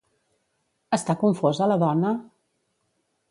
Està confosa la dona?